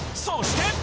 そして！